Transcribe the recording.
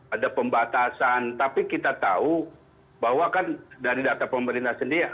ada pembatasan tapi kita tahu bahwa kan dari data pemerintah sendiri